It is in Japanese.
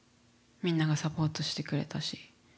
みんながサポートしてくれたし。